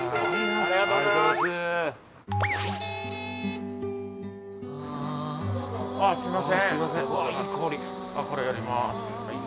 ありがとうございます。